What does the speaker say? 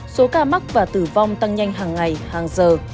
số ca mắc và tử vong tăng nhanh hàng ngày hàng giờ